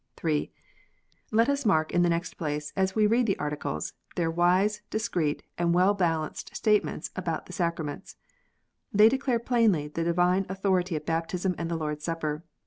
(3) Let us mark, in the next place, as we read the Articles, their wise, discreet, and well balanced statements about the Sacra ments. They declare plainly the divine authority of Baptism and the Lord s Supper.